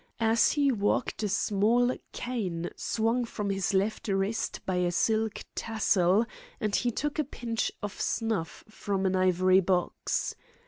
As he walked, a smart cane swung from his left wrist by a silk tassel, and he took a pinch of snuff from an ivory box.